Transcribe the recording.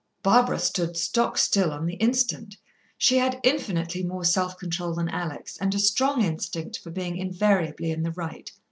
Barbara stood stock still on the instant. She had infinitely more self control than Alex, and a strong instinct for being invariably in the right.